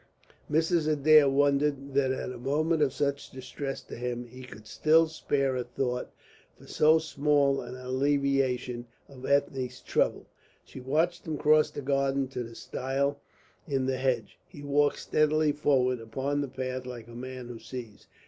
Mrs. Adair wondered that at a moment of such distress to him he could still spare a thought for so small an alleviation of Ethne's trouble. She watched him cross the garden to the stile in the hedge. He walked steadily forward upon the path like a man who sees.